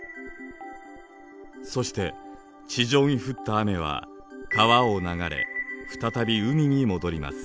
そして地上に降った雨は川を流れ再び海に戻ります。